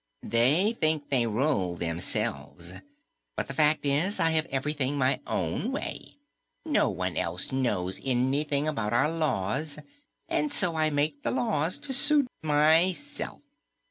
They think they rule themselves, but the fact is I have everything my own way. No one else knows anything about our laws, and so I make the laws to suit myself.